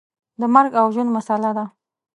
د مرګ او ژوند مسله ده.